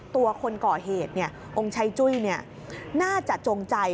ตัวคนก่อเหตุเนี่ยองค์ชัยจุ้ยเนี่ยน่าจะจงใจ